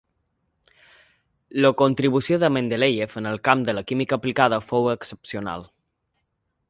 La contribució de Mendeléiev en el camp de la química aplicada fou excepcional.